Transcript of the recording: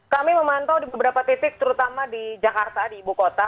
kami memantau di beberapa titik terutama di jakarta di ibu kota